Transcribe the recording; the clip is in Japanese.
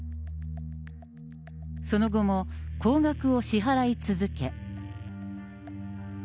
その後も高額を支払い続け。